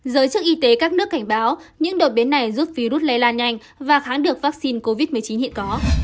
giới chức y tế các nước cảnh báo những đột biến này giúp virus lây lan nhanh và kháng được vaccine covid một mươi chín hiện có